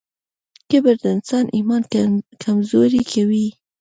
کبر د انسان ایمان کمزوری کوي.